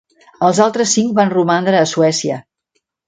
Els altres cinc van romandre a Suècia.